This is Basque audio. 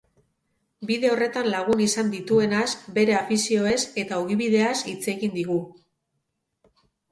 Bide horretan lagun izan dituenaz, bere afizioez eta ogibideaz hitz egin digu.